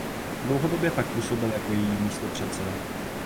Dlouhodobě pak působil jako její místopředseda.